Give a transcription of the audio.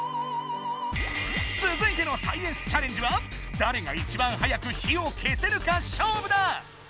つづいてのサイエンスチャレンジはだれがいちばんはやく火を消せるかしょうぶだ！